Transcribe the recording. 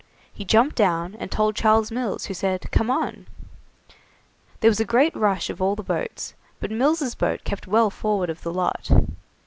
He jumped down, and told Charles Mills, who said: "Come on." there was a great rush of all the boats, but Mills' boat kept well forward of the lot.